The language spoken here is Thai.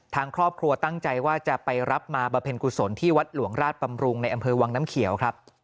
ทางครอบครัวตั้งใจว่าจะไปรับมาบำเพ็ญกุศลที่วัดหลวงราชบำรุงในอำเภอวังน้ำเขียวครับ